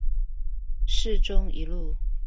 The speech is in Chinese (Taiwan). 市中一路